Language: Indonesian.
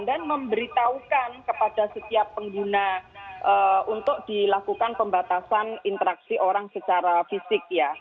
dan memberitahukan kepada setiap pengguna untuk dilakukan pembatasan interaksi orang secara fisik